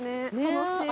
楽しい。